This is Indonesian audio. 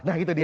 nah itu dia